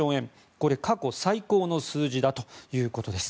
これ、過去最高の数字だということです。